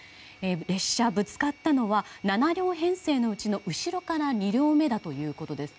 列車、ぶつかったのは７両編成のうちの、後ろから２両目だということです。